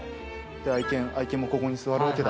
愛犬もここに座るわけだ。